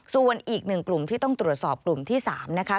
ส่วนอีกหนึ่งกลุ่มที่ต้องตรวจสอบกลุ่มที่๓นะคะ